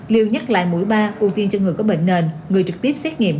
liêu nhắc lại mũi ba ưu tiên cho người có bệnh nền người trực tiếp xét nghiệm